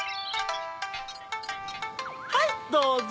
はいどうぞ！